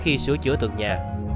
khi sửa chữa tượng nhà